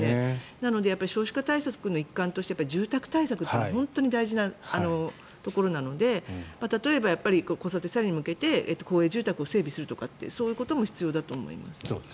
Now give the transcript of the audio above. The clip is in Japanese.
なので、少子化対策の一環として住宅対策というのは本当に大事なところなので例えば、子育て世代に向けて公営住宅を整備するとかそういうことも必要だと思います。